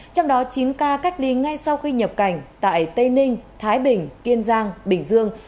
trong đó chín ca cách ly ngay sau khi nhập cảnh tại tây ninh thái bình kiên giang bình dương